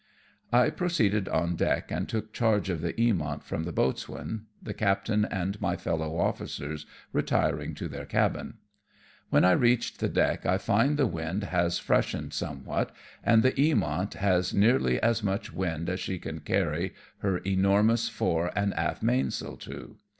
I proceeded on deck and took charge of the JEamont from the boatswain, the captain and my fellow officers retiring to their cabin. When I reach the deck I find the wind has freshened somewhat, and the Eamont has nearly as much wind as she can carry her enormous fore and aft mainsail to.